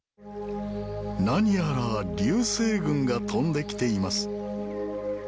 何やら流星群が飛んできています。